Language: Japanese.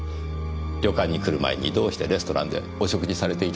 旅館に来る前にどうしてレストランでお食事されていたのでしょう？